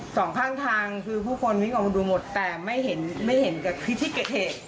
สองข้างทางคือผู้คนวิ่งออกมาดูหมดแต่ไม่เห็นกระเทศ